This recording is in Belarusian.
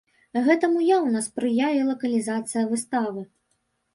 Гэтаму яўна спрыяе лакалізацыя выставы.